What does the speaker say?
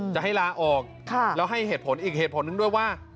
จะให้ลาออกแล้วให้เหตุผลอีกเหตุผลหนึ่งด้วยว่า